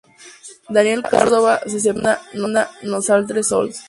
Daniel Cardona se separa y funda Nosaltres Sols!